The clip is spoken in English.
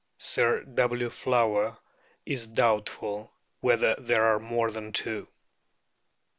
Sir W. Flower is doubtful whether there are more than two.